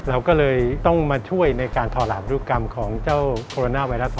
เราก็เลยต้องมาช่วยในการถอดหลาดรูปกรรมของเจ้าโคโรนาไวรัส